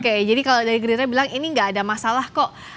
oke jadi kalau dari gerindra bilang ini gak ada masalah kok